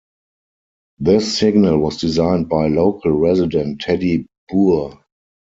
This signal was designed by local resident Teddy Boor.